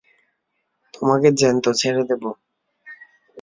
তোমাকে জ্যান্ত ছেড়ে দেব।